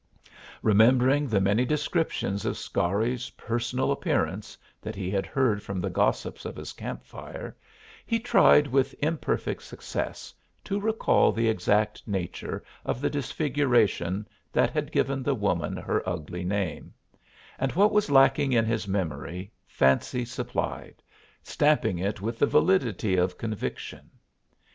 Remembering the many descriptions of Scarry's personal appearance that he had heard from the gossips of his camp fire he tried with imperfect success to recall the exact nature of the disfiguration that had given the woman her ugly name; and what was lacking in his memory fancy supplied, stamping it with the validity of conviction.